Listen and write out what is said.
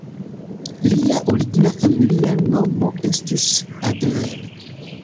Lia origina familia nomo estis "Adler".